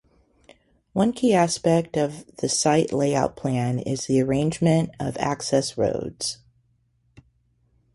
One key aspect of the site layout plan is the arrangement of access roads.